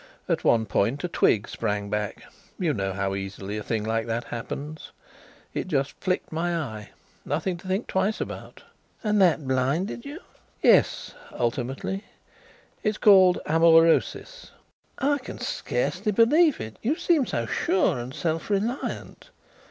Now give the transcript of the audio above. At one point a twig sprang back you know how easily a thing like that happens. It just flicked my eye nothing to think twice about." "And that blinded you?" "Yes, ultimately. It's called amaurosis." "I can scarcely believe it. You seem so sure and self reliant.